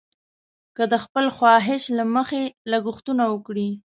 که د خپل خواهش له مخې لګښتونه وکړي.